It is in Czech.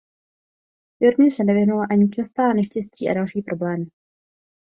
Firmě se nevyhnula ani častá neštěstí a další problémy.